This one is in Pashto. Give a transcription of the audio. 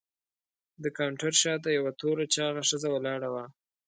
د کاونټر شاته یوه توره چاغه ښځه ولاړه وه.